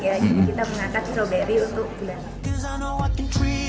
jadi kita mengangkat stroberi untuk kulit